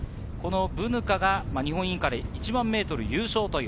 ブヌカが日本インカレ１００００ｍ優勝。